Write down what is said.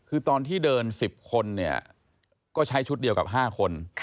คือตอนที่เดิน๑๐คนเนี่ยก็ใช้ชุดเดียวกับ๕คน